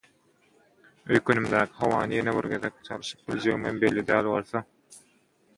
Öýkenimdäki howany ýene bir gezek çalşyp biljegimem belli däl bolsa…